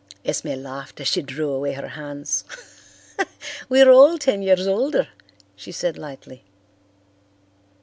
Esme laughed as she drew away her hands. "We are all ten years older," she said lightly.